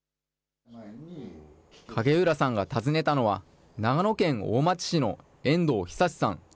影浦さんが訪ねたのは、長野県大町市の遠藤久さん。